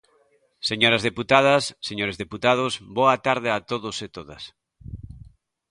Señoras deputadas, señores deputados, boa tarde a todos e todas.